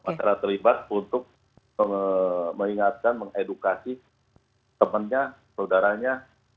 masyarakat terlibat untuk mengingatkan mengedukasi temannya saudaranya